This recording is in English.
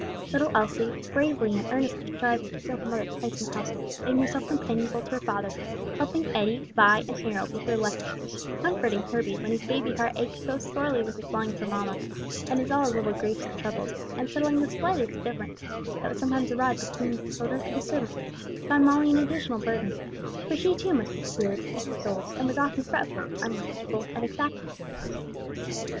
Little Elsie, bravely and earnestly striving to fill her mother's place in the household, making herself companionable to her father, helping Eddie, Vi and Harold with their lessons, comforting Herbie when his baby heart ached so sorely with its longing for mamma, and in all his little griefs and troubles, and settling the slight differences that would sometimes arise between the children or the servants, found Molly an additional burden; for she too must be cheered and consoled and was often fretful, unreasonable and exacting.